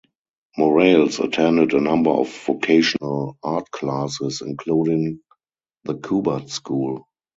Morales attended a number of vocational art classes, including The Kubert School.